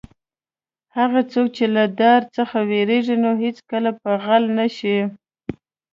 هغه څوک چې له دار څخه وېرېږي نو هېڅکله به غل نه شي.